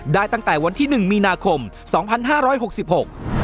ตั้งแต่วันที่หนึ่งมีนาคมสองพันห้าร้อยหกสิบหก